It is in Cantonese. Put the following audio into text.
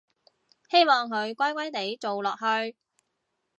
希望佢乖乖哋做落去